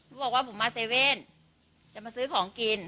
บอกว่าผมมาเซเว่นจะมาซื้อของกิน